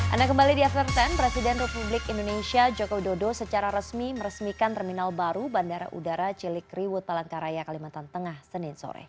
anda kembali di after sepuluh presiden republik indonesia joko widodo secara resmi meresmikan terminal baru bandara udara cilikriwut palangkaraya kalimantan tengah senin sore